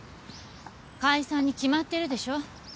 解散に決まってるでしょ。